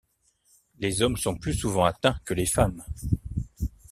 Les hommes sont plus souvent atteints que les femmes.